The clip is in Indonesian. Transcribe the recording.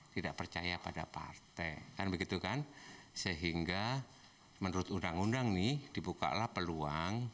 tidak percaya pada partai kan begitu kan sehingga menurut undang undang nih dibukalah peluang